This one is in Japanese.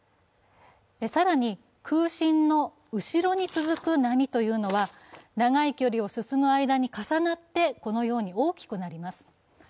更に空振の後ろに続く波というのは長い距離を進む間に重なって大きくなります。